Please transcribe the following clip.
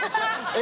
え？